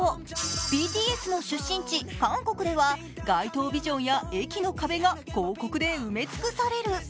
ＢＴＳの出身地・韓国では街頭ビジョンや駅の壁が広告で埋め尽くされる。